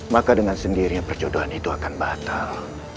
maka dengan sendirian perjodohan itu akan batal